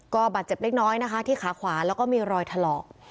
ก็บาดเจ็บเล็กน้อยนะคะที่ขาขวาแล้วก็มีรอยถลอก